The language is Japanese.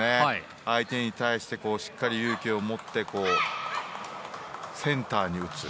相手に対してしっかり勇気を持ってセンターに打つ。